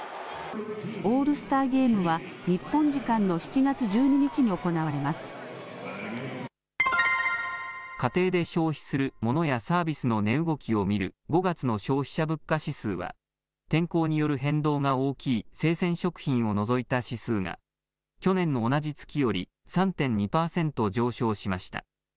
オールスターゲームは日本時間の家庭で消費するモノやサービスの値動きを見る５月の消費者物価指数は天候による変動が大きい生鮮食品を除いた指数が去年の同じ月より３．２パーセント上昇しました。